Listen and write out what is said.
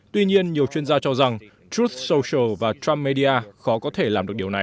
tuy nhiên nhiều chuyên gia cho rằng truth social và trump media khó có thể làm được điều này